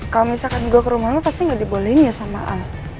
kalo misalkan gue ke rumah lo pasti gak dibolehin ya sama al